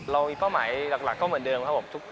เป้าหมายหลักก็เหมือนเดิมครับผม